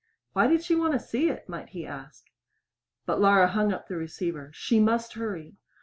Why did she want to see it might he ask? But Laura hung up the receiver. She must hurry!